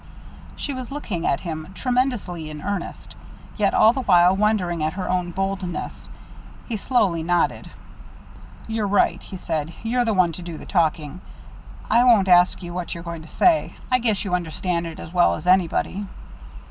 She was looking at him, tremendously in earnest, yet all the while wondering at her own boldness. He slowly nodded. "You're right," he said. "You're the one to do the talking. I won't ask you what you're going to say. I guess you understand it as well as anybody."